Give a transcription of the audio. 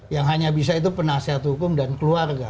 yang hanya bisa itu penasihat hukum dan keluarga